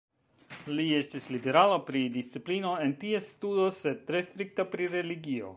Li estis liberala pri disciplino en ties studo, sed tre strikta pri religio.